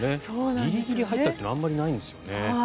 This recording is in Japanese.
ギリギリ入ったっていうのはあんまりないんですよね。